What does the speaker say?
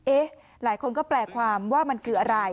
หลายคนก็แปลความว่ามันคืออะไร